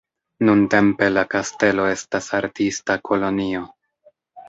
Nuntempe la kastelo estas artista kolonio.